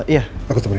iya aku tepinya